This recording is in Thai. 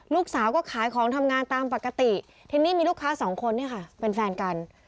ลูกสาวก็ขายของทำงานตามปกติทีนี้มีลูกค้าสองคนเนี่ยค่ะเป็นแฟนกัน